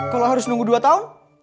kalau harus nunggu dua tahun